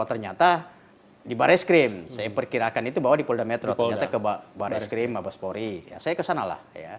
ternyata di baraiskrim saya perkirakan itu bahwa di polda metro ke baraiskrim abaspori saya kesanalah